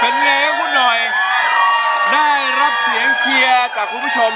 นางยังกลืมกลืม